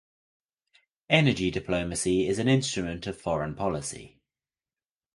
Energy diplomacy is an instrument of foreign policy.